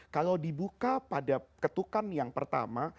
kalau dibuka pada ketukan yang pertama